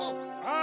あ！